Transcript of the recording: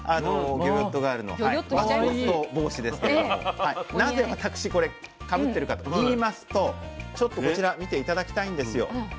魚魚っとガールのマスコット帽子ですけれどもなぜ私これかぶってるかといいますとちょっとこちら見て頂きたいんですよ。